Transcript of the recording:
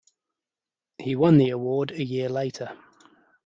He won the award a year later.